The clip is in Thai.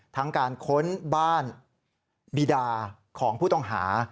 ทั้งการค้นบ้านบีดาของผู้ต้องหา